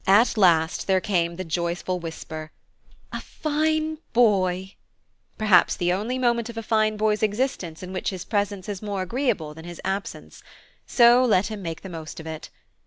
At last, there came the joyful whisper, "a fine boy"; perhaps the only moment of a fine boy's existence in which his presence is more agreeable than his absence, so let him make the most of it.